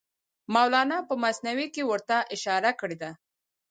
مولانا په مثنوي کې ورته اشاره کړې ده.